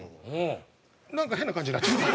なんか変な感じになっちゃった。